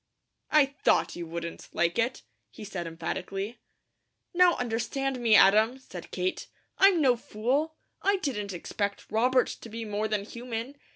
"I THOUGHT you wouldn't like it," he said emphatically. "Now understand me, Adam," said Kate. "I'm no fool. I didn't expect Robert to be more than human.